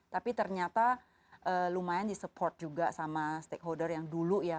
tapi ternyata lumayan di support juga sama stakeholder yang dulu ya